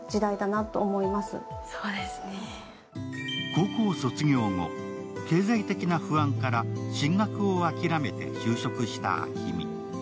高校卒業後、経済的な不安から進学を諦めて就職した暁海。